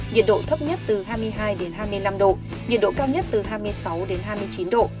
nhiệt độ thấp nhất từ hai mươi hai đến hai mươi năm độ nhiệt độ cao nhất từ hai mươi sáu đến hai mươi chín độ